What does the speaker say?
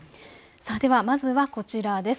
ではまずはこちらです。